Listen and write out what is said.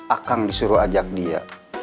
akang disuruh ajak dia